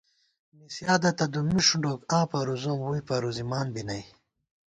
نِسِیادَہ تہ دُمّی ݭُنڈوک آں پروزوم ووئی پروزِمان بی نئ